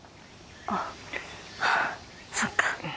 あっそっか。